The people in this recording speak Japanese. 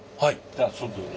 じゃあ外で。